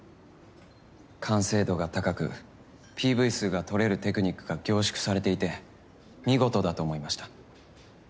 完成度が高くＰＶ数が取れるテクニックが凝縮されていて見事だと思いました。